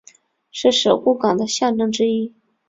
是神户港的象征之一。